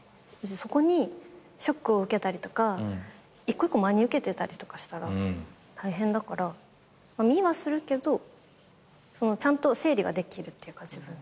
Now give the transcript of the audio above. そこにショックを受けたりとか一個一個真に受けてたりとかしたら大変だから見はするけどちゃんと整理はできるっていうか自分で。